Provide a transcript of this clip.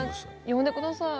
呼んで下さい。